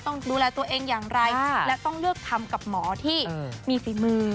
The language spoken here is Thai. ต้องดูแลตัวเองอย่างไรและต้องเลือกทำกับหมอที่มีฝีมือ